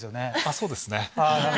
そうですね。